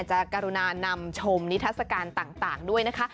กรุณานำชมนิทัศกาลต่างด้วยนะคะ